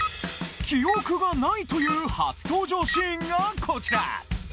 記憶がないという初登場シーンがこちら！